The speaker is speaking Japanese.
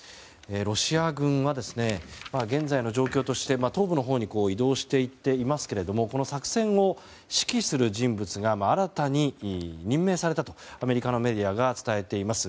ロシア軍は現在の状況として東部のほうに移動していっていますがこの作戦を指揮する人物が新たに任命されたとアメリカのメディアが伝えています。